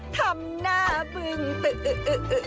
ทำหน้าบึงตึ๊อึอึอึอึอึอึอึ